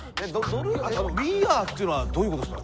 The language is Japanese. あの「ウィーアー」っていうのはどういうことっすか？